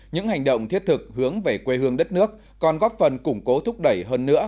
những hành động thiết thực hướng về quê hương đất nước còn góp phần củng cố thúc đẩy hơn nữa